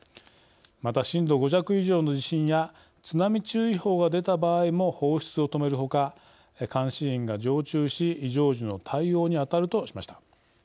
また震度５弱以上の地震や津波注意報が出た場合も放出を止めるほか監視員が常駐し異常時の対応に当たるとしました。